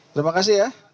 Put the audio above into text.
terima kasih ya